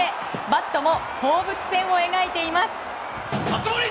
バットも放物線を描いています。